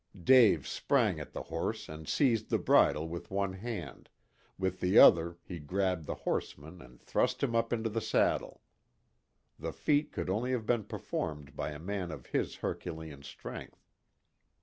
Dave sprang at the horse and seized the bridle with one hand, with the other he grabbed the horseman and thrust him up into the saddle. The feat could only have been performed by a man of his herculean strength.